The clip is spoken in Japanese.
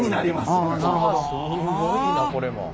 すごいなこれも。